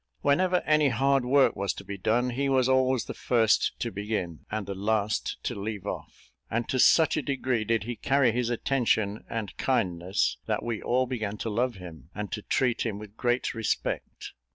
Whenever any hard work was to be done, he was always the first to begin, and the last to leave off; and to such a degree did he carry his attention and kindness, that we all began to love him, and to treat him with great respect.